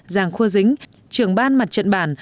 giàng khua dính trưởng ban mặt trận bản